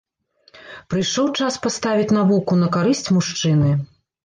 Прыйшоў час паставіць навуку на карысць мужчыны!